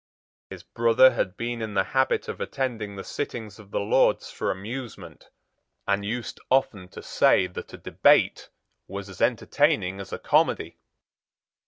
His brother had been in the habit of attending the sittings of the Lords for amusement, and used often to say that a debate was as entertaining as a comedy.